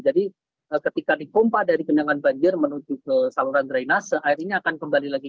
jadi ketika dipompa dari gendangan banjir menuju ke saluran drainase air ini akan kembali lagi